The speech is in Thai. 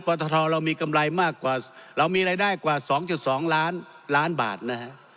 ททเรามีกำไรมากกว่าเรามีรายได้กว่า๒๒ล้านล้านบาทนะฮะ